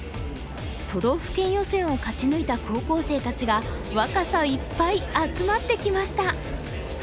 都道府県予選を勝ち抜いた高校生たちが若さいっぱい集まってきました。